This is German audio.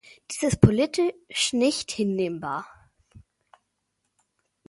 Dies ist politisch nicht hinnehmbar.